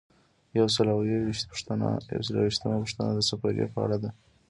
یو سل او یو ویشتمه پوښتنه د سفریې په اړه ده.